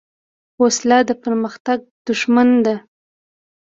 وسله د پرمختګ دښمن ده